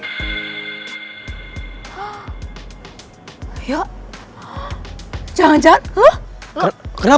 bisa bisanya lo nganterin ini ke dia